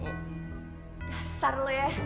dasar lu ya